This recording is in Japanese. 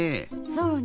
そうねえ。